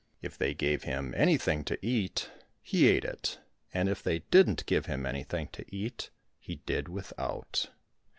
If they gave him anything to eat, he ate it ; and if they didn't give him anything to eat, he did without.